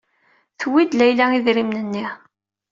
Tewwi-d Layla idrimen-nni.